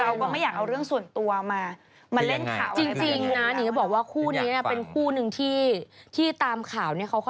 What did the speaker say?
ว่าไม่อยากเอาเรื่องส่วนตัวมาเล่นข่าวอะไร